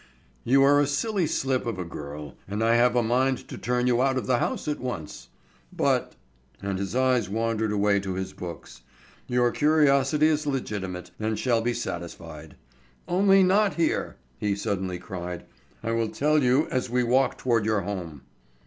"You are a silly slip of a girl and I have a mind to turn you out of the house at once. But," and his eyes wandered away to his books, "your curiosity is legitimate and shall be satisfied. Only not here," he suddenly cried, "I will tell you as we walk toward your home."